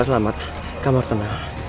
ke butaku main